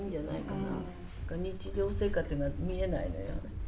日常生活が見えないのよ。